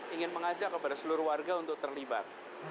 ingin mengajak kepada seluruh warga untuk terlibat